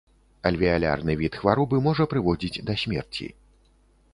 Альвеалярны від хваробы можа прыводзіць да смерці.